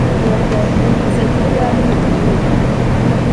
Hezekiya umwami w u Buyuda